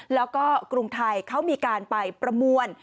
แล้วก็กรุงไทยเขามีการไปประมวล